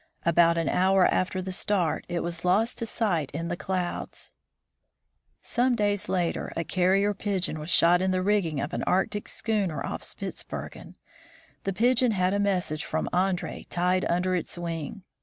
About an hour after the start, it was lost to sight in the clouds. Some days later a carrier pigeon was shot in the rigging of an Arctic schooner off Spitzbergen. The pigeon had a message from Andree tied under its wing.